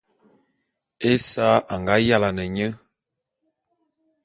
Esa a nga yalane nye.